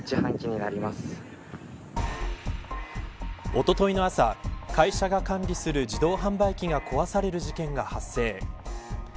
おとといの朝会社が管理する自動販売機が壊される事件が発生。